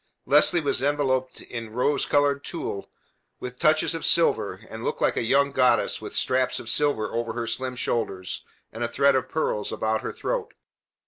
Leslie was enveloped in rose colored tulle, with touches of silver, and looked like a young goddess with straps of silver over her slim shoulders and a thread of pearls about her throat.